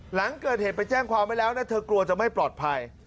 หลังเกิดเหตุไปแจ้งความไว้แล้วนะเธอกลัวจะไม่ปลอดภัย